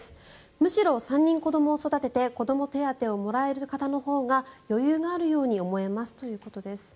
むしろ３人子どもを育てて子ども手当をもらえる方のほうが余裕があるように思えますということです。